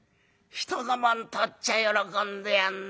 人のもん取っちゃ喜んでやんな